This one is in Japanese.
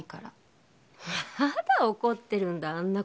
まだ怒ってるんだあんな事。